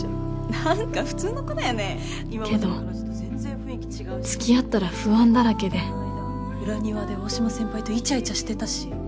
何か普通の子だよねけど付き合ったら不安だらけで裏庭で大島先輩とイチャイチャしてたし